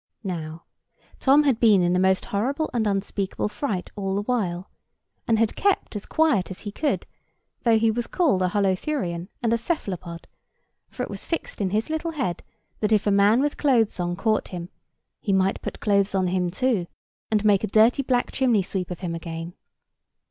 Now Tom had been in the most horrible and unspeakable fright all the while; and had kept as quiet as he could, though he was called a Holothurian and a Cephalopod; for it was fixed in his little head that if a man with clothes on caught him, he might put clothes on him too, and make a dirty black chimney sweep of him again.